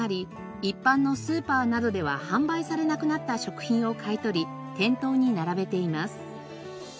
一般のスーパーなどでは販売されなくなった食品を買い取り店頭に並べています。